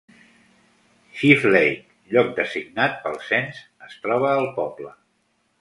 Chief Lake, lloc designat pel cens, es troba al poble.